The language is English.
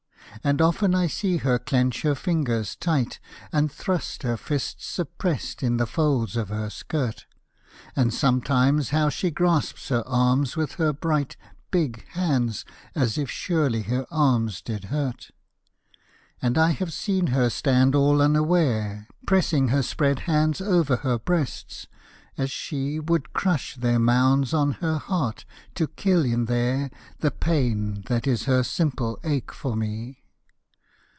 And often I see her clench her fingers tight And thrust her fists suppressed in the folds of her skirt; And sometimes, how she grasps her arms with her bright Big hands, as if surely her arms did hurt. And I have seen her stand all unaware Pressing her spread hands over her breasts, as she Would crush their mounds on her heart, to kill in there The pain that is her simple ache for me.